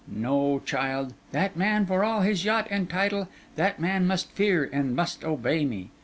No, child, that man, for all his yacht and title, that man must fear and must obey me.